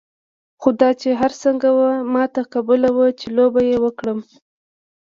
خو دا چې هر څنګه وه ما ته قبوله وه چې لوبه یې وکړم.